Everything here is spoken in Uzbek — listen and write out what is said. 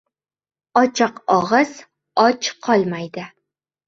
• Ochiq og‘iz och qolmaydi.